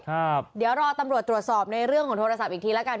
ครับเดี๋ยวรอตำรวจตรวจสอบในเรื่องของโทรศัพท์อีกทีแล้วกัน